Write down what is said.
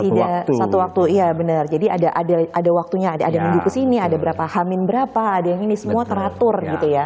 tidak satu waktu iya benar jadi ada waktunya ada nunggu kesini ada berapa hamin berapa ada yang ini semua teratur gitu ya